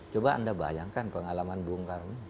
coba anda bayangkan pengalaman bung karno